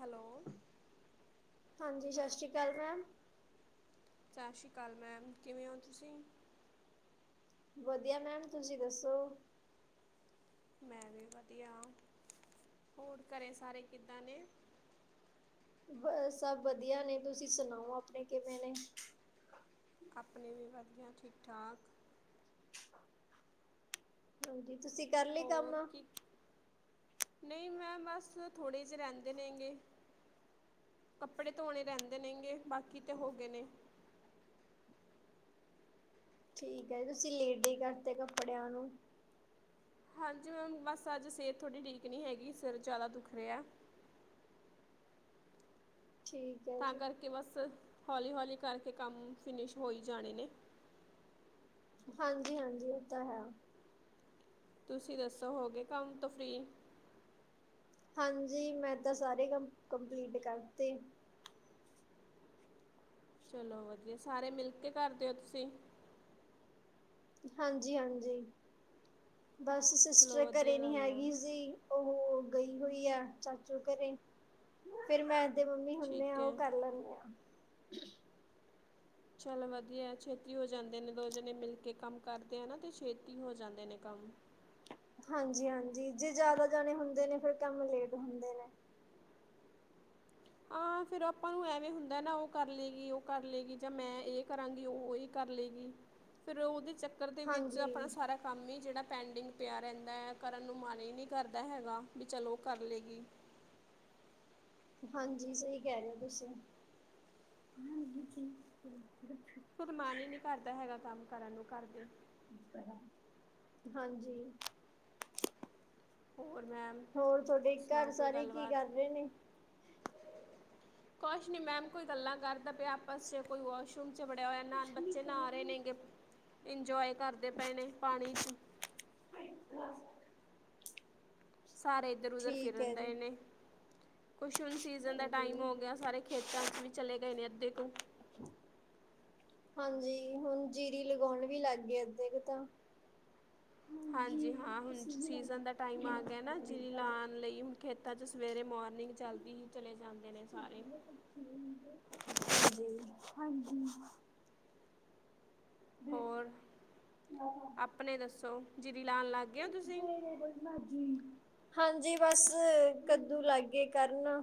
Hello ਹਾਂਜੀ ਸਸਿਸ਼੍ਰੀ ਕਾਲ ਮੈਮ। ਸਸਿ ਸ਼੍ਰੀਕਾਲ ਮੈਮ, ਕਿਵੇਂ ਔ ਤੁਸੀਂ। ਵਧੀਆ ਮੈਮ ਤੁਸੀਂ ਦੱਸੋ। ਮੈਂ ਵੀ ਵਧੀਆ, ਹੋਰ ਘਰੇ ਸਾਰੇ ਕਿੱਦਾਂ ਨੇ? ਬ ਸਭ ਵਧੀਆ ਨੇ ਤੁਸੀਂ ਸੁਣਾਓ ਆਪਣੇ ਕਿਵੇਂ ਨੇ ਆਪਣੇ ਵੀ ਵਧੀਆ ਠੀਕ -ਠਾਕ। ਹਾਂਜੀ, ਤੁਸੀਂ ਕਰ ਲੀ ਕੰਮ ਹੋਰ ਕੀ ਨਹੀਂ ਮੈਂਮ ਬਸ, ਥੋੜੇ ਜਿਹੇ ਰਹਿੰਦੇ ਨੇ ਗੇ। ਕੱਪੜੇ ਧੋਣੇ ਰਹਿੰਦੇ ਨੇਗੇ, ਬਾਕੀ ਤੇ ਹੋ ਗਏ ਨੇ। ਠੀਕ ਐ, ਤੁਸੀਂ ਲੇਡੀ ਕਰਤੇ ਕੱਪੜਿਆਂ ਨੂੰ ਹਾਂਜੀ ਮੈਮ, ਬਸ ਅੱਜ ਸਿਹਤ ਥੋੜੀ ਠੀਕ ਨਹੀਂ ਹੈਗੀ, ਸਿਰ ਜ਼ਿਆਦਾ ਦੁੱਖ ਰਿਹਾ। ਠੀਕ ਹੈ ਤਾਂ ਜੀ ਕਰਕੇ ਬਸ, ਹੌਲੀ- ਹੌਲੀ ਕਰਕੇ ਕੰਮ ਫਿਨਿਸ਼ ਹੋਈ ਜਾਣੇ ਨੇ। ਹਾਂਜੀ, ਹਾਂਜੀ ਇਹ ਤਾਂ ਹੈ। ਤੁਸੀਂ ਦੱਸੋ ਹੋਗੇਏ ਕੰਮ ਤੋਂ ਫ੍ਰਰੀ ਹਾਂਜੀ, ਮੈਂ ਤਾਂ ਸਾਰੇ ਕੰਮ ਕੰਪਲੀਟ ਕਰਤੇ। ਚਲੋ ਵਧੀਆ, ਸਾਰੇ ਮਿਲ ਕੇ ਕਰਦੇਓ ਤੁਸੀਂ। ਹਾਂਜੀ, ਹਾਂਜੀ ਬਸ ਚਲੋ ਸਿਸਟਰ ਘਰੇ ਵਧੀਆ ਨੀ ਗੱਲ ਆ ਹੈਗੀ ਸੀ। ਉਹ ਗਈ ਹੋਈ ਐ, ਚਾਚੂ ਘਰੇ। ਫੇਰ ਮੈਂ ਤੇ ਮੰਮੀ ਹੁੰਨੇ ਠੀਕ ਆ, ਉਹ ਹੈ ਕਰ ਲੈਂਦੇ ਆ। ਚੱਲ ਵਧੀਆ, ਛੇਤੀ ਹੋ ਜਾਂਦੇ ਨੇ, ਦੋ ਜਣੇ ਮਿਲ ਕੇ ਕੰਮ ਕਰਦੇ ਆ ਨਾ ਤੇ ਛੇਤੀ ਹੋ ਜਾਂਦੇ ਨੇ ਕੰਮ। ਹਾਂਜੀ, ਹਾਂਜੀ ਜੇ ਜ਼ਿਆਦਾ ਜਾਣੇ ਹੁੰਦੇ ਨੇ ਫਿਰ ਕੰਮ ਲੇਟ ਹੁੰਦੇ ਨੇ। ਆ ਫਿਰ ਆਪਾਂ ਨੂੰ ਐਵੇਂ ਹੁੰਦਾ ਨਾ ਉਹ ਕਰ ਲਏਗੀ, ਉਹ ਕਰ ਲਏਗੀ, ਜਾਂ ਮੈਂ ਇਹ ਕਰਾਂਗੀ ਉਹ ਕਰ ਲਏਗੀ, ਫਿਰ ਉਹਦੇ ਚੱਕਰ ਦੇ ਵਿੱਚ ਹਾਂਜੀ, ਆਪਣਾ ਸਾਰਾ ਕੰਮ ਹੀ ਜਿਹੜਾ ਪੈਂਡਿੰਗ ਪਿਆ ਰਹਿੰਦਾ ਐ, ਕਰਨ ਨੂੰ ਮਨ ਈ ਨਈ ਕਰਦਾ ਹੈਗਾ, ਵੀ ਚਲੋ ਉਹ ਕਰ ਲਏਗੀ। ਹਾਂਜੀ, ਸਹੀ ਕਹਿ ਰਹੇ ਤੁਸੀਂ। ਖੁਦ ਮਨ ਈ ਨੀ ਕਰਦਾ ਹੈਗਾ, ਕੰਮ ਕਰਨ ਨੂੰ ਘਰਦੇ ਹਾਂਜੀ ਹੋਰ ਮੈਮ ਹੋਰ ਤੁਹਾਡੇ ਘਰ ਸੁਣਾਓ ਸਾਰੇ ਕੀ ਕਰਦੇ ਨੇ। ਕੁਸ਼ ਨਹੀਂ ਮੈਮ ਕੋਈ ਗੱਲਾਂ ਕਰਦਾ ਪਿਆ ਆਪਸ ਚ ਕੋਈ ਮ ਚਪੜਿਆ ਹੋਇਆ ਨ ਬੱਚੇ ਨਾ ਰਹੇ ਨੇਗੇ, ਇੰਜੋਏ ਕਰਦੇ ਪਏ ਨੇ ਪਾਣੀ ਚ [inaudible] ਸਾਰੇ ਇੱਧਰ ਉਧਰ ਠੀਕ ਹੈ ਜੀ, ਫਿਰਨਦਾਏ ਨੇ ਕੁਛੁਨ ਸੀਜ਼ਨ ਦਾ ਹਾਂਜੀ। ਟਾਈਮ ਹੋ ਗਿਆ ਸਾਰੇ ਖੇਤਾਂ ਚ ਵੀ ਚਲੇ ਗਏ ਨੇ ਅੱਧੇ ਕੁੂ ਹਾਂਜੀ ਹੁਣ ਜੀਰੀ ਲਗਾਉਣ ਵੀ ਲੱਗ ਗਏ ਅੱਧ ਕੁ ਤਾਂ। ਹਾਂਜੀ ਹਾਂ ਹੁਣ ਸੀਜ਼ਨ ਦਾ ਟਾਈਮ ਆ ਗਿਆ ਨਾ ਜਿਂਰੀ ਲਾਉਣ ਲਈ। ਖੇਤਾਂ ਚ ਸਵੇਰੇ ਮੋਰਨਿੰਗ ਚਲਦੀ ਹੀ ਚਲੇ ਜਾਂਦੇ ਨੇ ਸਾਰੇ। [inaudible] ਹੋਰ [inaudible] ਆਪਣੇ ਦੱਸੋ ਜੀਰੀ ਲਾਉਣ ਲਾਗੇ ਹੋ ਤੁਸੀਂ ਹਾਂਜੀ ਬਸ ਕੱਦੂ ਲਾਗੇ ਕਰਨ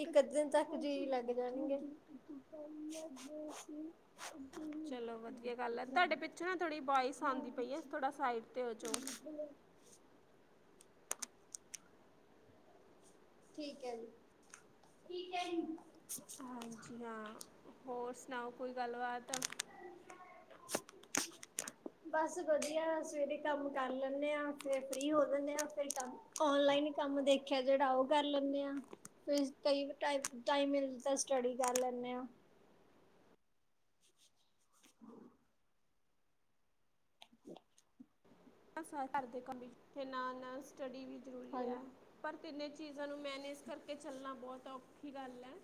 ਇੱਕੱ ਦਿਨ ਤੱਕ ਜੀ ਲੱਗ ਜਾਣਗੇ। ਚਲੋ ਵਧੀਆ ਗੱਲ ਹੈ। ਤੁਹਾਡੇ ਪਿੱਛੋਂ ਨਾ ਥੋੜੀ ਬੋਇਸ ਆਉਂਦੀ ਪਈ ਹੈ ਥੋੜਾ ਸਾਈਡ ਤੇ ਹੋ ਜਾਓ ਠੀਕ ਹੈ। ਹਾਂਜੀ ਹਾਂ ਹੋਰ ਸੁਣਾਓ ਕੋਈ ਗੱਲਬਾਤ। [unintelligible] ਬਸ ਵਧੀਆ ਸਵੇਰੇ ਕੰਮ ਕਰ ਲੈਂਦੇ ਆ ਫਿਰ ਫ੍ਰਰੀ ਹੋ ਜਾਂਦੇ ਆ ਫਿਰ ਟਮ ਔਨਲਾਈਨ ਕੰਮ ਦੇਖਿਆ ਜਿਹੜਾ ਉਹ ਕਰ ਲੈਂਦੇ ਆ। ਫ ਕਈ ਟ ਟਾਈਮ ਮਿਲਦਾ ਸਟੱਡੀ ਕਰ ਲੈਂਦੇ ਆ ਘਰਦੇ ਕੰਮ ਨਾਲ ਨਾਲ ਸਟੱਡੀ ਵੀ ਹਾਂ ਜ਼ਰੂਰੀ ਹੈ। ਪਰ ਤਿੰਨੇ ਚੀਜ਼ਾਂ ਨੂੰ ਮੈਨੇਜ ਕਰਕੇ ਚੱਲਣਾ ਬਹੁਤ ਔਖੀ ਗੱਲ ਹੈ।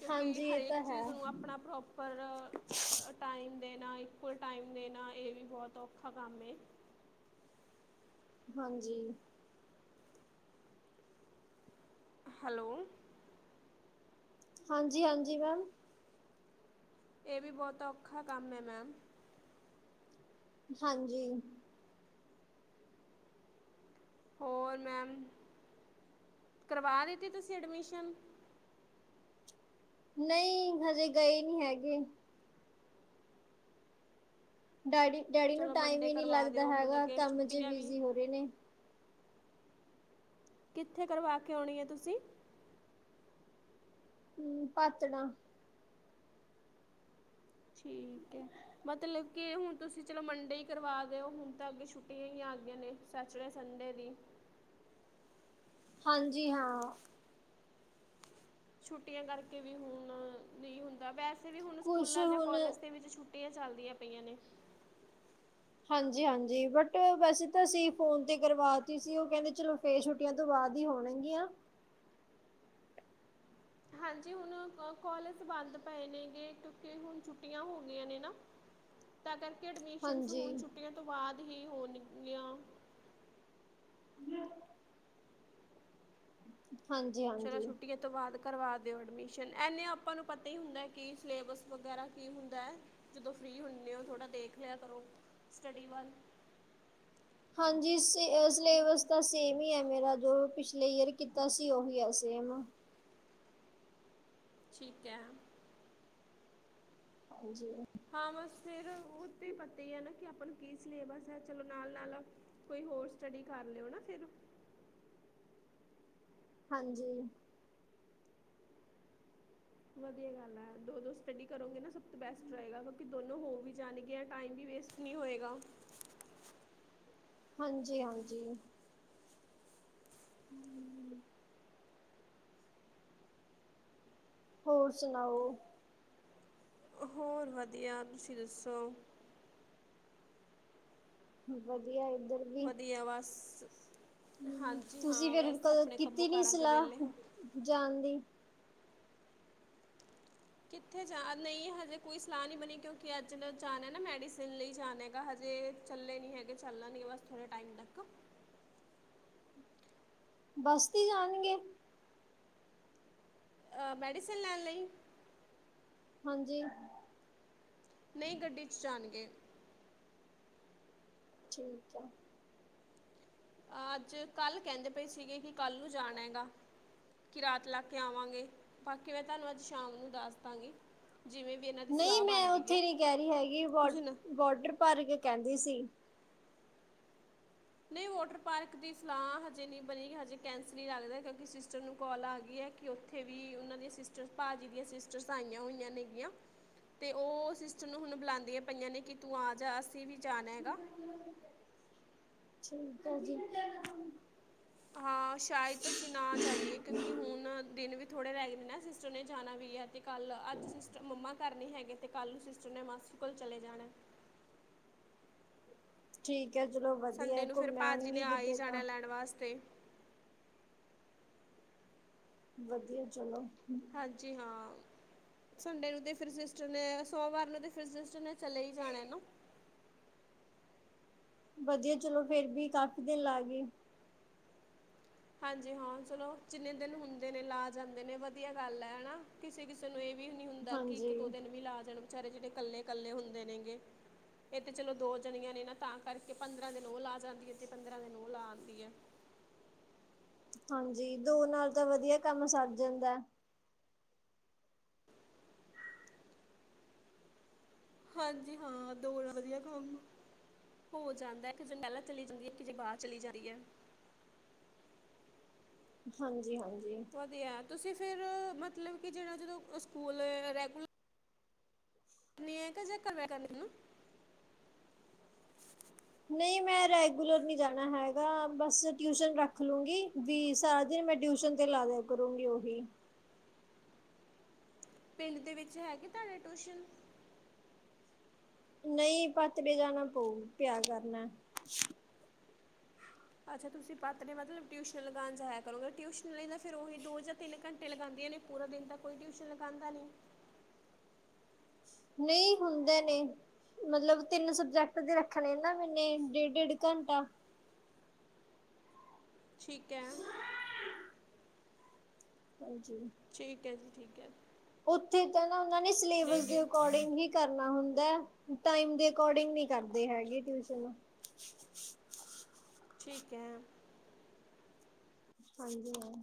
ਕਿਉਂਕਿ ਹਾਂਜੀ ਇਹ ਹਰੇਕ ਤਾਂ ਹੈ ਚੀਜ਼ ਨੂੰ ਆਪਣਾ ਪ੍ਰੋਪ ਪਰ ਟਾਈਮ ਦੇਣਾ ਇਕੁਅਲ ਟਾਈਮ ਦੇਣਾ ਇਹ ਵੀ ਬਹੁਤ ਔਖਾ ਕੰਮ ਏ ਹਾਂਜੀ ਹੈਲੋ ਹਾਂਜੀ-ਹਾਂਜੀ ਮੈਮ ਇਹ ਵੀ ਬਹੋਤ ਔਖਾ ਕੰਮ ਐ ਮੈਮ ਹਾਂਜੀ ਹੋਰ ਮੈਮ, ਕਰਵਾ ਦਿੱਤੀ ਤੁਸੀਂ ਐਡਮਿਸ਼ਨ ਨਹੀਂ ਹਜੇ ਗਏ ਨੀ ਹੈਗੇ ਡੈਡੀ-ਡੈਡੀ ਨੂੰ ਚਲੋ ਟਾਈਮ ਮੰਡੇ ਹੀ ਨਹੀਂ ਕਰਵਾ ਲੱਗਦਾ ਦਿਓ ਹੁਣ ਹੈਗਾ ਅੱਗੇ ਕੰਮ ਚ ਛੁੱਟੀਆਂ ਵੀ ਬਿਜ਼ੀ ਹੋ ਰਹੇ ਨੇ ਕਿੱਥੇ ਕਰਵਾ ਕੇ ਆਉਣੀ ਹੈ ਤੁਸੀਂ ਹੂਂ ਪਾਤਣਾ ਠੀਕ ਐ ਮਤਲਬ ਕਿ ਹੁਣ ਤੁਸੀਂ ਚਲੋ ਮੰਡੇ ਈ ਕਰਵਾ ਦਿਓ ਹੁਣ ਤਾਂ ਅੱਗੇ ਛੁੱਟੀਆਂ ਈ ਆ ਗਈਆਂ ਨੇ ਸੈਚਰਡੇ ਸੰਡੇ ਨੀ ਹਾਂਜੀ ਹਾਂ ਛੁੱਟੀਆਂ ਕਰਕੇ ਵੀ ਹੁਣ ਨਹੀਂ ਹੁੰਦਾ ਵੈਸੇ ਵੀ ਹੁਣ ਕੁਛ ਸਕੂਲਾਂ ਜਾਂ ਹੁਣ ਕੋਾਲਜ ਦੇ ਵਿੱਚ ਛੁੱ ਛੁੱਟੀਆਂ ਚੱਲਦੀਆਂ ਪਈਆਂ ਨੇ ਹਾਂਜੀ-ਹਾਂਜੀ ਬਟ ਵੈਸੇ ਤਾਂ ਅਸੀਂ ਫੋਨ ਤੇ ਕਰਵਾਤੀ ਸੀ ਓਹ ਕੈਹਂਦੇ ਚਲੋ ਫੇਰ ਛੁੱਟੀਆਂ ਤੋਂ ਬਾਦ ਹੀ ਹੋਣਗੀਆਂ ਹਾਂਜੀ ਹੁਣ ਕੋਲਜ ਬੰਦ ਪਏ ਨੇ ਗੇ ਕਿਉਂਕਿ ਹੁਣ ਛੁੱਟੀਆਂ ਹੋ ਗਈਆਂ ਨੇ ਨਾ [inaudible] ਤਾਂ ਕਰਕੇ ਐਡਮਿਸ਼ਨਸ ਹਾਂਜੀ, ਹੁਣ ਛੁੱਟੀਆਂ ਤੋਂ ਬਾਦ ਹੀ ਹੋਣਗੀਆਂ [inaudible] ਚਲੋ ਹਾਂਜੀ-ਹਾਂਜੀ। ਛੁੱਟੀ ਐ ਤੋਂ ਬਾਦ ਕਰਵਾ ਦਿਓ ਐਡਮਿਸ਼ਨ ਐਨੇ ਆਪਾਂ ਨੂੰ ਪਤਾ ਹੀ ਹੁੰਦਾ ਕਿ ਸਿਲੇਬਸ ਵਗੈਰਾ ਕੀ ਹੁੰਦਾ ਹੈ ਜਦੋਂ ਫ੍ਰਰੀ ਹੁੰਨੇ ਓ ਥੋੜ੍ਹਾ ਦੇਖ ਲਿਆ ਕਰੋ ਸਟੱਡੀ ਵੱਲ ਹਾਂਜੀ ਸ ਸਿਲੇਬਸ ਤਾਂ ਸੇਮ ਈ ਐ ਮੇਰਾ ਜੋ ਪਿਛਲੇ ਈਅਰ ਕੀਤਾ ਸੀ ਓਹੀ ਐ ਸੇਮ ਠੀਕ ਹੈ। ਹਾਂਜੀ। ਹਾਂ ਬਸ ਫੇਰ ਉਹ ਤੇ ਪਤਾ ਹੀ ਐ ਨਾ ਕਿ ਆਪਾਂ ਨੂੰ ਕੀ ਸਲੇਬਸ ਹੈ ਚਲੋ ਨਾਲ-ਨਾਲ ਕੋਈ ਹੋਰ ਸਟੱਡੀ ਕਰ ਲੇਓ ਨਾ ਫੇਰ ਹਾਂਜੀ। ਵਧੀਆ ਗੱਲ ਹੈ ਦੋ-ਦੋ ਸਟੱਡੀ ਕਰੋਗੇ ਨਾ ਸਭ ਤੋਂ ਬੈਸਟ ਰਹੇਗਾ ਕਿਉਂਕਿ ਦੋਨੋਂ ਹੋ ਵੀ ਜਾਣ ਗੀਆਂ ਟਾਈਮ ਵੀ ਵੇਸਟ ਨੀ ਹੋਏਗਾ ਹਾਂਜੀ-ਹਾਂਜੀ। ਹੂਂ ਹੋਰ ਸੁਣਾਓ? ਹੋਰ ਵਧੀਆ ਤੁਸੀਂ ਦੱਸੋ? ਵਧੀਆ ਏਧਰ ਵੀ ਵਧੀਆ ਬਸ ਹਾਂਜੀ ਤੁਸੀਂ ਹਾਂ ਫੇਰ ਬਸ ਕਦੋਂ ਆਪਣੇ ਕੰਮੋ ਕੀਤੀ ਨੀ ਕਾਰਾਂ ਤੋਂ ਵਿਹਲੇ ਸਲਾਹ ਹੋ ਜਾਣ ਦੀ ਕਿੱਥੇ ਜਾ ਨਈ ਹਜੇ ਕੋਈ ਸਲਾਹ ਨੀ ਬਣੀ ਕਿਉਂਕਿ ਅੱਜ ਦਾ ਜਾਣੈ ਨਾ ਮੈਡੀਸਨ ਲਈ ਜਾਣੈ ਹੈਗਾ ਹਜੇ ਚੱਲੇ ਨੀ ਹੈਗੇ ਚੱਲਣ ਗੇ ਬਸ ਥੋੜ੍ਹੇ ਟਾਈਮ ਤੱਕ ਬੱਸ ਤੇ ਜਾਣਗੇ? ਹਾ ਮੈਡੀਸਨ ਲੈਣ ਲਈ, ਹਾਂਜੀ। ਨਈ ਗੱਡੀ ਚ ਜਾਣਗੇ। ਠੀਕ ਐ। ਅੱਜ-ਕੱਲ ਕਹਿੰਦੇ ਪਏ ਸੀਗੇ ਕਿ ਕੱਲ ਨੂੰ ਜਾਣਾ ਗਾ। ਕਿ ਰਾਤ ਲਾ ਕੇ ਆਵਾਂਗੇ ਬਾਕੀ ਮੈਂ ਤੁਹਾਨੂੰ ਅੱਜ ਸ਼ਾਮ ਨੂੰ ਦੱਸ ਦਾਂਗੀ ਜਿਵੇਂ, ਵੀ ਇਹਨਾਂ ਦੀ ਨਈ ਸਲਾਹ ਮੈਂ ਬਣਦੀ ਉੱਥੇ ਹੈ ਨੀ ਕਹਿ ਰਹੀ ਹੈਗੀ, ਬ ਤੁਸੀਂ ਨਾ ਬੋਟਰ ਪਾਰਕ ਕੇ ਕਹਿੰਦੀ ਸੀ। ਨਈ ਵੋਟਰ ਪਾਰਕ ਦੀ ਸਲਾਹ ਹਜੇ ਨੀ ਬਣੀ ਹਜੇ ਕੈਂਸਲ ਨਹੀਂ ਲੱਗਦਾ, ਕਿਉਂਕਿ ਸਿਸਟਰ ਨੂੰ ਕਾੱਲ ਆ ਗੀ ਐ ਕਿ ਕਿ ਉੱਥੇ ਵੀ ਉਹਨਾਂ ਦੀਆਂ ਸਿਸਟਰਸ, ਭਾਅ ਜੀ ਦੀਆਂ ਸਿਸਟਰਸ ਆਈਆ ਹੋਈਆਂ ਨੇ ਗੀਆ। ਤੇ ਉਹ ਸਿਸਟਰ ਨੂੰ ਹੁਣ ਬੁਲਾਉਂਦੀਆਂ ਪਈਆਂ ਨੇ, ਕਿ ਤੂੰ ਆ ਜਾ ਅਸੀਂ ਵੀ ਜਾਣਾ ਐ ਗਾ। ਠੀਕ ਆ ਜੀ। ਹਾਂ, ਸ਼ਾਇਦ ਅਸੀਂ ਨਾ ਜਾਈਏ, ਕਿਉਂਕਿ ਹੁਣ ਦਿਨ ਵੀ ਥੋੜ੍ਹੇ ਰਹਿ ਗਏ ਦੇ ਨਾ ਸਿਸਟਰ ਨੇ ਜਾਣਾ ਵੀ ਐ, ਤੇ ਕੱਲ ਅੱਜ ਸਿਸਟਰ ਮੰਮਾ ਘਰ ਨੀ ਹੈਗੇ। ਤੇ ਕੱਲ ਨੂੰ ਸਿਸਟਰ ਨੇ ਮਾਸੀ ਕੋਲ ਚਲੇ ਜਾਣਾ। ਠੀਕ ਐ ਚਲੋ, ਵਧੀਆ ਸੰਡੇ ਨੂੰ ਫਿਰ ਘੁੰਮ ਭਾਜੀ ਆਣਗੇ ਨੇ ਆ ਹੀ ਕਿਤੇ ਤਾਂ ਜਾਣਾ ਲੈਣ ਵਾਸਤੇ। ਵਧੀਆ ਚਲੋ। ਹਾਂਜੀ ਹਾਂ, ਸੰਡੇ ਨੂੰ ਤੇ ਫੇਰ ਸੋਮਵਾਰ ਨੂੰ ਤੇ ਫੇਰ ਸਿਸਟਰ ਨੇ ਚਲੇ ਹੀ ਜਾਣਾ ਨਾ। ਵਧੀਆ ਚਲੋਂ ਫੇਰ ਵੀ ਕਾਫੀ ਦਿਨ ਲਾਗੀ। ਹਾਂਜੀ ਹਾਂ, ਚਲੋ ਜਿੰਨੇ ਦਿਨ ਹੁੰਦੇ ਨੇ ਲਾ ਜਾਂਦੇ ਨੇ ਵਧੀਆ ਗੱਲ ਐ ਹਨਾ। ਕਿਸੇ-ਕਿਸੇ ਨੂੰ ਇਹ ਵੀ ਨੀ ਹੁੰਦਾ ਕਿ ਇੱਕ ਹਾਂਜੀ। ਦੋ ਦਿਨ ਵੀ ਲਾ ਜਾਣ ਬਿਚਾਰੇ, ਜਿਹੜੇ ਇਕੱਲੇ ਕੱਲੇ ਹੁੰਦੇ ਨੇ ਗੇ। ਇਹ ਤੇ ਚਲੋਂ ਦੋ ਜਣੀਆਂ ਨੇ ਨਾ ਤਾਂ ਕਰਕੇ, ਪੰਦਰਾਂ ਦਿਨ ਉਹ ਲਾ ਜਾਂਦੀ ਐ ਤੇ ਪੰਦਰਾਂ ਦਿਨ ਉਹ ਲਾ ਆਂਦੀ ਐ। ਹਾਂਜੀ, ਦੋ ਨਾਲ ਤਾਂ ਵਧੀਆ ਕੰਮ ਸਰ ਜਾਂਦਾ ਐ। ਹਾਂਜੀ ਹਾਂ, ਦੋ ਨਾ ਵਧੀਆ ਕੰਮ ਹੋ ਜਾਂਦਾ ਐ, ਇਕ ਜਨੀ ਪਹਿਲਾਂ ਚਲੀ ਜਾਂਦੀ ਐ, ਕਿ ਜੇ ਬਾਹ ਚਲੀ ਜਾਂਦੀ ਐ। ਹਾਂਜੀ, ਹਾਂਜੀ‌। ਦੇ ਆ, ਤੁਸੀਂ ਫਿਰ ਮਤਲਬ ਕਿ, ਜਿਹੜਾ ਜਦੋਂ ਸਕੂਲ ਰੈਗੂਲਰਂ ਜਾਨੇ ਆ, ਕਿ ਜੇ ਕਰਆ ਕਰਨੀ ਨਾ ਨਈ ਮੈਂ ਰੈਗੂਲਰ ਨੀ ਜਾਣਾ ਹੈਗਾ, ਬਸ ਟਿਊਸ਼ਨ ਰੱਖ ਲੂੰ ਗੀ, ਵੀ ਸਾਰਾ ਦਿਨ ਮੈਂ ਟਿਊਸ਼ਨ ਤੇ ਲਾਦਿਆ ਕਰੂੰਗੀ, ਉਹੀ। ਪਿੰਡ ਦੇ ਵਿੱਚ, ਹੈਗੇ ਤੁਹਾਡੇ ਟਊਸ਼ਨ? ਨਈ, ਪਾਤੜੇ ਜਾਣਾ ਪਊ, ਪਿਆ ਕਰਨਾ। ਅੱਛਾ, ਤੁਸੀਂ ਪਤੜੇ ਮਤਲਬ ਟਿਊਸ਼ਨ ਲਗਾਉਣ ਜਾਇਆ ਕਰੋਗੇ, ਟਿਊਸ਼ਨ ਲਈ ਨਾ ਫੇਰ ਉਹੀ ਦੋ ਜਾਂ ਤਿੰਨ ਘੰਟੇ ਲਗਾਉਂਦੀਆਂ ਨੇ, ਪੂਰਾ ਦਿਨ ਤਾਂ ਕੋਈ ਟਿਊਸ਼ਨ ਲਗਾਉਂਦਾ ਨੀ। ਨਈ, ਹੁੰਦੇ ਨੇ। ਮਤਲਬ, ਤਿੰਨ ਸਬਜੈਕਟ ਦੇ ਰੱਖਨੇ ਨਾ ਮੈਨੇ, ਡੇਢ-ਡੇਢ ਘੰਟਾ। ਠੀਕ ਐ। ਹ [inaudible] ਹਾਂਜੀ। ਠੀਕ ਐ ਜੀ, ਠੀਕ ਐ। ਉੱਥੇ ਤਾਂ ਨਾ ਉਹਨਾਂ ਨੇ, ਸਿਲੇਬਸ ਦੇ ਨਹੀਂ ਅਕੋਰਡਿੰਗ ਹੀ ਕਰਨਾ ਹੁੰਦਾ ਐ, ਟਾਈਮ ਦੇ ਅਕੋਰਡਿੰਗ ਨੀ ਕਰਦੇ ਹੈਗੇ ਟਿਊਸ਼ਨ। ਠੀਕ ਐ। ਹਾਜੀ, ਹਾਂ।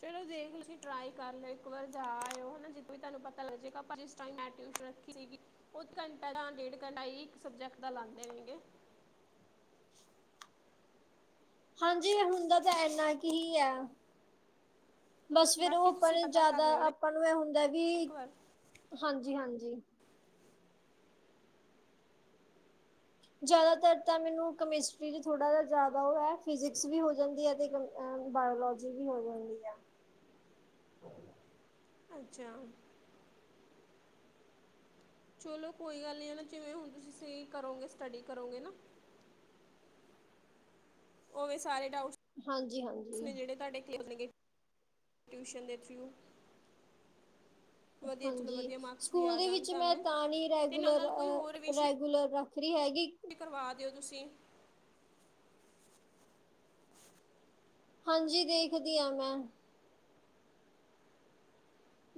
ਚਲੋਂ ਦੇਖ ਲ, ਤੁਸੀਂ ਟਰਾਈ ਕਰ ਲਿਓ ਇੱਕ ਵਾਰ ਜਾ ਆਇਓ ਹਨਾ, ਜੇ ਕੋਈ ਤੁਹਾਨੂੰ ਪਤਾ ਲੱਗ ਜੇ, ਆਪਾਂ ਜਿਸ ਜਿਸ ਟਾਇਮ ਮੈਂ ਟਿਊਸ਼ ਰੱਖੀ ਸੀਗੀ, ਉਹ ਘੰਟਾ ਜਾਂ ਡੇਢ ਘੰਟਾ ਹੀ, ਇੱਕ ਸਬਜੈਕਟ ਦਾ ਲਾਂਦੇ ਨੇਗੇ। ਹਾਂਜੀ, ਹੁੰਦਾ ਤਾਂ ਇੰਨਾ ਕਾ ਹੀ ਐ। ਬਸ ਫੇਰ ਉਹ ਬਾਕੀ ਆਪਾਂ ਤੁਸੀਂ ਨੇ ਪਤਾ ਕਰ ਜ਼ਿਆਦਾ, ਲਿਓ ਨਾ ਆਪਾਂ ਨੂੰ ਐ ਹੁੰਦਾ ਵੀ, ਇੱਕ ਵਾਰ ਹਾਂਜੀ ਹਾਂਜੀ। ਜ਼ਿਆਦਾਤਰ ਤਾਂ ਮੈਨੂੰ, ਕਮਿਸਟਰੀ 'ਚ ਥੋੜ੍ਹਾ ਜਾ ਜ਼ਿਆਦਾ ਉਹ ਐ, ਫਿਜਿਕਸ ਵੀ ਹੋ ਜਾਂਦੀ ਐ ਤੇ ਕ ਅਆ, ਬਾਇਓਲੋਜੀ ਵੀ ਹੋ ਜਾਂਦੀ ਆ। ਅੱਛਾ। ਚਲੋਂ ਕੋਈ ਗੱਲ ਨੀ ਐ ਨਾ, ਜਿਵੇਂ ਹੁਣ ਤੁਸੀਂ ਸਹੀ ਕਰੋਂਗੇ, ਸਟੱਡੀ ਕਰੋਗੇ ਨਾ ਉਹਵੇ ਸਾਰੇ ਹਾਂਜੀ ਡਾਊਟਸ, ਨੇ ਹਾਂਜੀ ਜਿਹੜੇ ਤੁਹਾਡੇ ਕਲੀਰ ਹੋਨਗੇ ਟਿਊਸ਼ਨ ਦੇ ਥਰੂ। ਵਧੀਆ ਚਲੋ ਹਾਂਜੀ, ਵਧੀਆ ਮਾਰਕਸ ਵੀ ਸਕੂਲ ਆ ਦੇ ਜਾਣ ਵਿੱਚ ਮੈਂ ਤੁਹਾਨੂੰ ਤਾਂ ਨੀ ਤੇ ਨਾਲ ਰੈਗੂਲਰ, ਨਾਲ ਕੋਈ ਹੋਰ ਆਹ ਰਿਵੀਜ਼ਨ ਰੈਗੂਲਰ ਰੱ ਰੀ ਹੈਗੀ ਕਰਵਾ ਦਿਓ ਤੁਸੀ ਹਾਂਜੀ, ਦੇਖਦੀ ਹਾਂ ਮੈਂ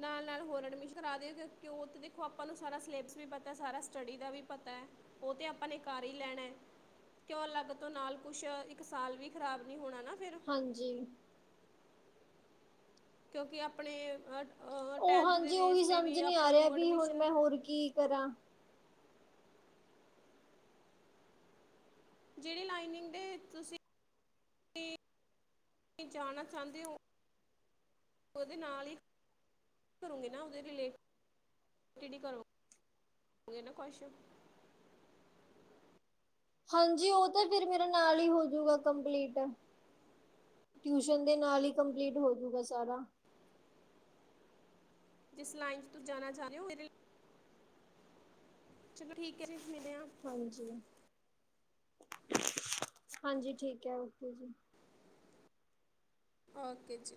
ਨਾਲ-ਨਾਲ ਹੋਰ ਐਡਮਿਸ਼ਨ ਕਰਾ ਦਿਓ, ਕਿਉਂਕਿ ਉਹ ਤਾਂ ਦੇਖੋ, ਆਪਾਂ ਨੂੰ ਸਾਰਾ ਸਿਲੇਬਸ ਵੀ ਪਤਾ, ਸਾਰਾ ਸਟੱਡੀ ਦਾ ਵੀ ਪਤਾ ਹੈ। ਉਹ ਤੇ, ਆਪਾਂ ਨੇ ਕਰ ਹੀ ਲੈਣਾ ਹੈ। ਕਿਉ ਅਲੱਗ ਤੋਂ ਨਾਲ ਕੁਛ, ਇੱਕ ਸਾਲ ਵੀ ਖ਼ਰਾਬ ਨੀ ਹੋਣਾ ਨਾ ਫਿਰ ਹਾਂਜੀ। ਕਿਉਂਕਿ ਆਪਣੇ, ਹਰ ਉਹ ਹਾਂਜੀ, ਉਹੀ ਸਮਝ ਨੀ ਆ ਰਿਹਾ, ਨੂੰ ਵੀ ਹੁਣ ਐਡਮਿਸ਼ਨ ਮੈਂ ਹੋਰ ਕੀ ਕਰਾਂ ਜਿਹੜੀ ਲਾਈਨਿੰਗ ਦੇ, ਤੁਸੀਂ ਤੁਸੀਂ ਜਾਣਾ ਚਾਹੁੰਦੇ ਹੋ, ਉਹਦੇ ਨਾਲ ਹੀ ਕਰੋਂਗੇ ਨਾ, ਉਹਦੇ ਰਿਲੇਟੀਡ ਹੀ ਕਰੋ ਗੇ ਨਾ ਕੁਛ। ਹਾਂਜੀ, ਉਹ ਤਾਂ ਫਿਰ ਮੇਰਾ ਨਾਲ ਹੀ ਹੋਜੂਗਾ ਕੰਪਲੀਟ ਟਿਊਸ਼ਨ ਦੇ ਨਾਲ ਹੀ, ਕੰਪਲੀਟ ਹੋਜੂਗਾ ਸਾਰਾ। ਜਿਸ ਲਾਈਨ 'ਚ ਤੁਸੀ ਜਾਣਾ ਚਾਹੁੰਰੇ, ਇਹਦੇ ਚਲੋ ਠੀਕ ਐ ਜੀ ਫੇਰ ਮਿਲੇ ਆ। ਹਾਂਜੀ ਹਾਂਜੀ ਠੀਕ ਐ ਓਕੇ ਜੀ। ਓਕੇ ਜੀ।